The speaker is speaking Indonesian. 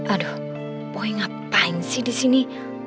aduh boy ngapain sih disini